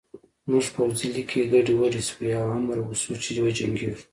زموږ پوځي لیکې ګډې وډې شوې او امر وشو چې وجنګېږو